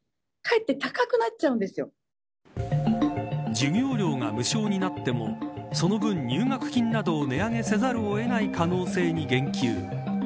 授業料が無償になってもその分入、学金などを値上げせざるを得ない可能性に言及。